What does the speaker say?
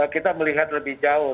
kita melihat lebih jauh